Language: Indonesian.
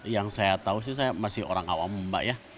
yang saya tahu sih saya masih orang awam mbak ya